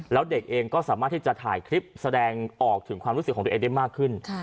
แล้วเด็กเองก็สามารถที่จะถ่ายคลิปแสดงออกถึงความรู้สึกของตัวเองได้มากขึ้น